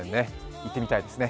行ってみたいですね。